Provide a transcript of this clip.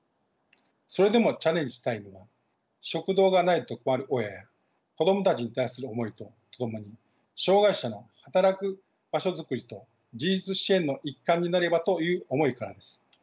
それでもチャレンジしたいのは食堂がないと困る親や子供たちに対する思いとともに障害者の働く場所づくりと自立支援の一環になればという思いからです。